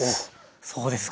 そうですか。